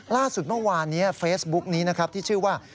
ล่าสุดเมื่อวานนี้เฟซบุ๊กนี้นะครับที่ชื่อว่า